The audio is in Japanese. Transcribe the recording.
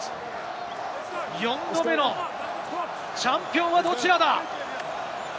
４度目のチャンピオンはどちらだ？